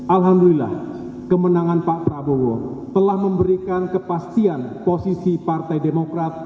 alhamdulillah kemenangan pak prabowo telah memberikan kepastian posisi partai demokrat